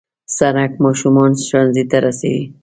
سړک ماشومان ښوونځي ته رسوي.